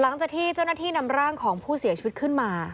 หลังจากที่เจ้าหน้าที่นำร่างของผู้เสียชีวิตขึ้นมา